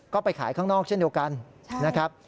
ก็ไปขายข้างนอกเช่นเดียวกันนะครับ